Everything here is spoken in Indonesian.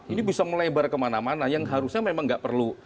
ini bisa melebar kemana mana yang harusnya memang nggak perlu